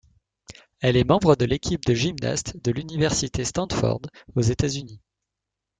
Elle est membre de l'équipe de gymnaste de l'Université Stanford aux États-Unis.